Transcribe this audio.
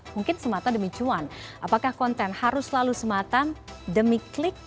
mungkin semata demi cuan apakah konten harus selalu semata demi klik